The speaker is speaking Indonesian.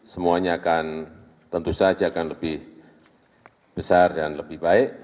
semuanya akan tentu saja akan lebih besar dan lebih baik